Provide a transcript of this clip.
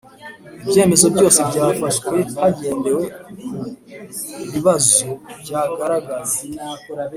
Ibyemezo byose byafashwe hagendewe ku ku bibazo byagaragaye